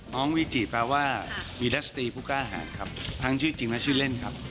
น้องวิจิแปลว่ามีดรัศตรีผู้กล้าหารครับทั้งชื่อจริงและชื่อเล่นครับ